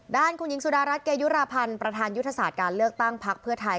ด้านคุณหญิงสุดารัฐเกยุราพันธ์ประธานยุทธศาสตร์การเลือกตั้งพักเพื่อไทย